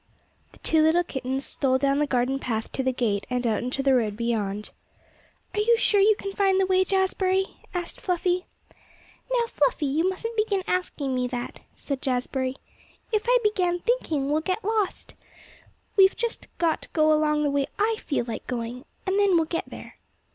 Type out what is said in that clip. The two little kittens stole down the garden path to the gate, and out into the road beyond. "Are you sure you can find the way, Jazbury?" asked Fluffy. "Now, Fluffy, you mustn't begin asking me that," said Jazbury. "If I begin thinking, we'll get lost. We've just got to go along the way I feel like going, and then we'll get there."